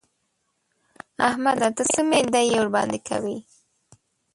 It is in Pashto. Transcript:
احمده! ته څه مينده يي ورباندې کوې؟!